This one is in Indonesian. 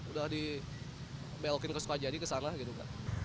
udah dibelokin ke sukajadi ke sana gitu kak